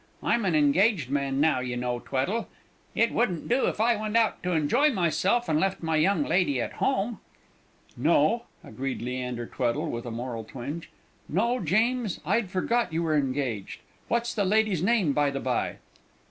I'm an engaged man now, you know, Tweddle. It wouldn't do if I went out to enjoy myself and left my young lady at home!" "No," agreed Leander Tweddle, with a moral twinge, "no, James. I'd forgot you were engaged. What's the lady's name, by the by?"